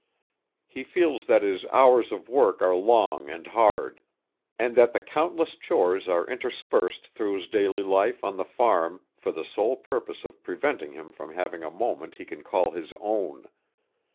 He feels that his hours of work are long and hard, and that the countless chores are interspersed through his daily life on the farm for the sole purpose of preventing him from having a moment he can call his own.